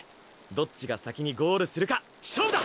どっちが先にゴールするか勝負だ！